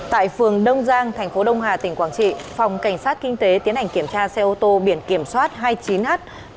tại phường đông giang tp đông hà tp quảng trị phòng cảnh sát kinh tế tiến hành kiểm tra xe ô tô biển kiểm soát hai mươi chín h bảy trăm hai mươi sáu sáu